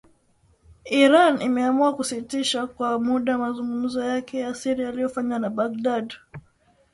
Iran imeamua kusitisha kwa muda mazungumzo yake ya siri yaliyofanywa na Baghdad.